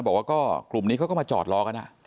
บอกว่าก็กลุ่มนี้เขาก็มาจอดรอกัน